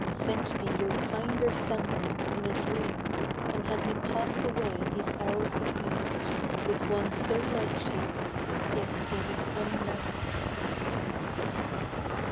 Send me your kinder semblance in a dream, And let me pass away these hours of night With one so like to you, yet so unlike